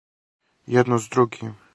Једно с другим?